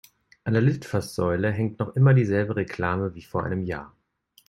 An der Litfaßsäule hängt noch immer dieselbe Reklame wie vor einem Jahr.